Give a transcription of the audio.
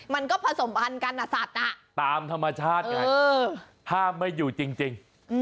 มันก็ผสมอันกันอ่ะสัตว์น้ะตามธรรมชาติไหมฮ้ามให้อยู่จริง